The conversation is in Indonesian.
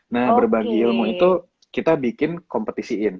nah berbagi ilmu itu kita bikin kompetisiin